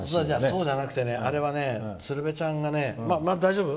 そうじゃなくてねあれは、鶴瓶ちゃんがね。まだ大丈夫？